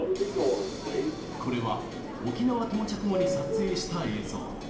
これは沖縄到着後に撮影した映像。